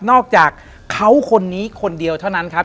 อกจากเขาคนนี้คนเดียวเท่านั้นครับ